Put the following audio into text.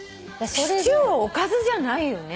シチューはおかずじゃないよね？